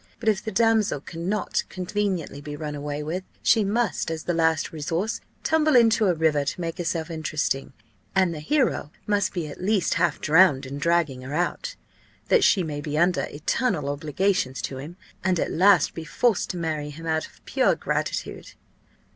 But if the damsel cannot conveniently be run away with, she must, as the last resource, tumble into a river to make herself interesting, and the hero must be at least half drowned in dragging her out, that she may be under eternal obligations to him, and at last be forced to marry him out of pure gratitude."